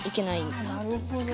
あなるほど。